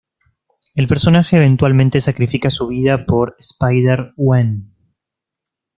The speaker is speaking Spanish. El personaje eventualmente sacrifica su vida por Spider-Gwen.